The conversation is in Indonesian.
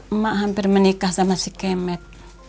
emak hampir menikah sama si kemet